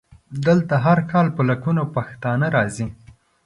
دلته هر کال په لکونو پښتانه راځي.